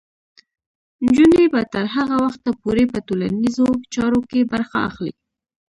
نجونې به تر هغه وخته پورې په ټولنیزو چارو کې برخه اخلي.